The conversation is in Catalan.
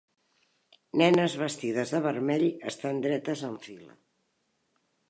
Nenes vestides de vermell estan dretes en fila.